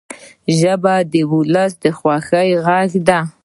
ژبه د ولس د خوښۍ غږ دی